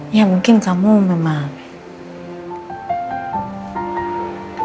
ya mungkin kamu memang